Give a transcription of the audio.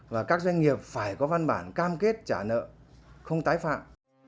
và các doanh nghiệp phải có văn bản cam kết trả nợ không tái phạm